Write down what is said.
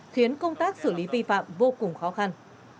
khiến công tác xử lý vi phạm vô cùng khó khăn